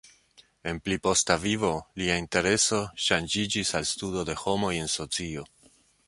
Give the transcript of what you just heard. En pli posta vivo lia intereso ŝanĝiĝis al studo de homoj en socio.